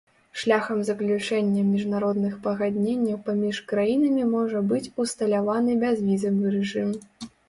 Шляхам заключэння міжнародных пагадненняў паміж краінамі можа быць усталяваны бязвізавы рэжым.